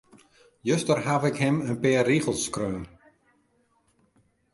Juster haw ik him in pear rigels skreaun.